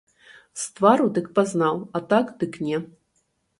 З твару дык пазнаў, а так дык не.